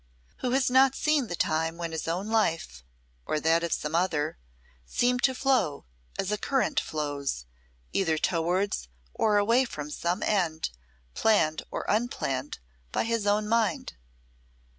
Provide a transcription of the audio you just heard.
Who has not seen the time when his own life, or that of some other, seemed to flow, as a current flows, either towards or away from some end, planned or unplanned by his own mind.